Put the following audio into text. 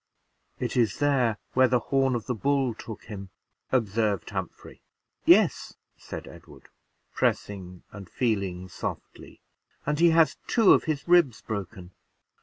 "It is there where the horn of the bull took him," observed Humphrey. "Yes," said Edward, pressing and feeling softly: "and he has two of his ribs broken.